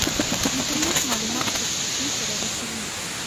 انټرنیټ معلومات په چټکۍ سره رسوي.